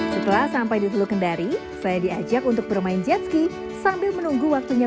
setelah sampai di teluk kendari saya diajak untuk bermain jetski sambil menunggu waktunya